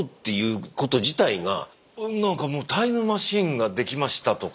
なんかもうタイムマシンができましたとか。